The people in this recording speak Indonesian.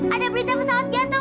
ada berita pesawat jatuh